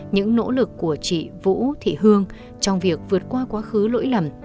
những nỗ lực của chị vũ thị hương trong việc vượt qua quá khứ lỗi lầm